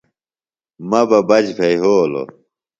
مہ بہ بچ بھےۡ یھولوۡ